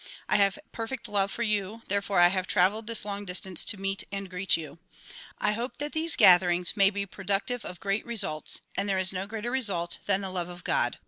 I have perfect love for you, therefore I have traveled this long distance to meet and greet you. I hope that these gatherings may be productive of great results and there is no greater result than the love of God.